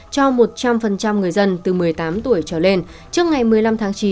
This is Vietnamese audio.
cho một trăm linh người dân từ một mươi tám tuổi trở lên trước ngày một mươi năm tháng chín